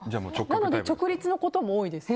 なので直立のことも多いです。